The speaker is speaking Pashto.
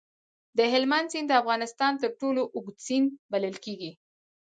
د هلمند سیند د افغانستان تر ټولو اوږد سیند بلل کېږي.